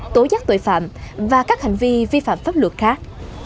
tố giác tội phạm và các hành vi vi phạm pháp luật khác